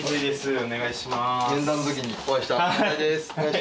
お願いします。